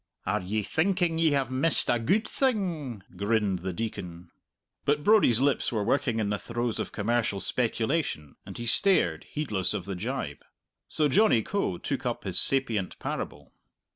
"Are ye thinking ye have missed a gude thing?" grinned the Deacon. But Brodie's lips were working in the throes of commercial speculation, and he stared, heedless of the jibe. So Johnny Coe took up his sapient parable.